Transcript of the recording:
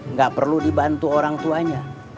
nggak perlu dibantu orang tuanya